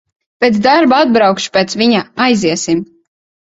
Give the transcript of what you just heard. Pēc darba atbraukšu pēc viņa, aiziesim.